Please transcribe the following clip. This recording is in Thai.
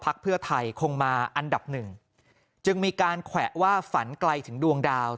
เพื่อไทยคงมาอันดับหนึ่งจึงมีการแขวะว่าฝันไกลถึงดวงดาว